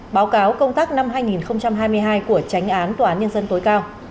báo cáo công tác năm hai nghìn hai mươi hai của tránh án tòa án nhân dân tối cao